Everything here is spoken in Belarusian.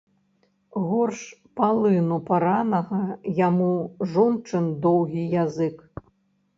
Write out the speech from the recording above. Горш палыну паранага яму жончын доўгі язык.